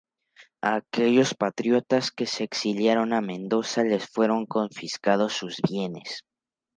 A aquellos patriotas que se exiliaron en Mendoza les fueron confiscados sus bienes.